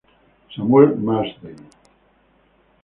Samuel Marsden".